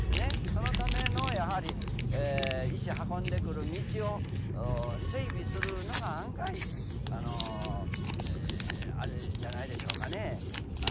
そのためのやはり石運んでくる道を整備するのが案外あれじゃないでしょうかね。